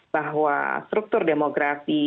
bahwa struktur demografi